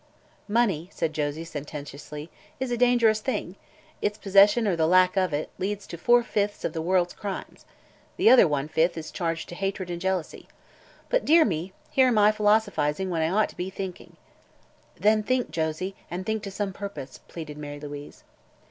"Money," said Josie sententiously, "is a dangerous thing. Its possession, or the lack of it, leads to four fifths of the world's crimes. The other one fifth is charged to hatred and jealousy. But dear me! here I am philosophizing, when I ought to be thinking." "Then think, Josie, and think to some purpose," pleaded Mary Louise.